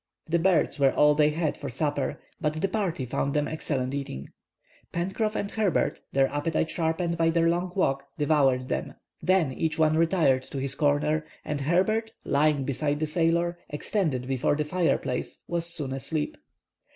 The birds were all they had for supper, but the party found them excellent eating. Pencroff and Herbert, their appetite sharpened by their long walk, devoured them. Then each one retired to his corner, and Herbert, lying beside the sailor, extended before the fireplace, was soon asleep.